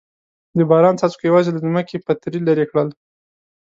د باران څاڅکو یوازې له ځمکې پتري لرې کړل.